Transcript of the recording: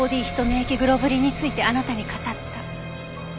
免疫グロブリンについてあなたに語った。